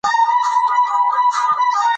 د افغانستان مالي اقتصاد خراب شوی دي.